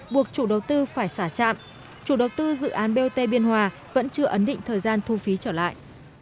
buộc chủ đầu tư phải xả trạm chủ đầu tư dự án bot biên hòa vẫn chưa ấn định thời gian thu phí trở lại